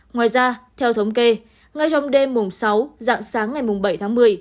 ngoài ra theo thống kê ngay trong đêm mùng sáu dạng sáng ngày mùng bảy tháng một mươi